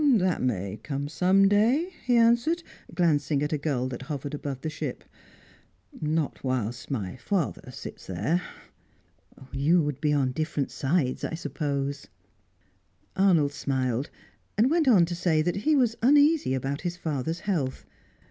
"That may come some day," he answered, glancing at a gull that hovered above the ship. "Not whilst my father sits there." "You would be on different sides, I suppose." Arnold smiled, and went on to say that he was uneasy about his father's health.